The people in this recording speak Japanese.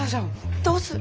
どうする？